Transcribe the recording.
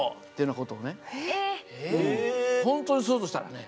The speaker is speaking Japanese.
本当にするとしたらね